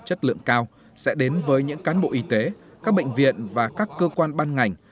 chất lượng cao sẽ đến với những cán bộ y tế các bệnh viện và các cơ quan ban ngành